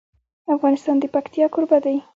افغانستان د پکتیا کوربه دی.